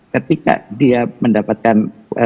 ketika dia mendapatkan